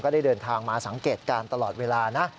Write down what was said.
ได้เดินทางมาสังเกตการณ์ตลอดเวลานะ